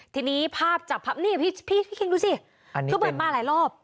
ทีนี้ภาพจับพลับนี่พี่คิ้งดูสิก็เปิดมาหลายรอบ